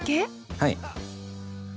はい。